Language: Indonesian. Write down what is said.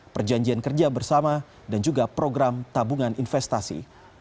perjanjian kerja bersama dan juga program tabungan investasi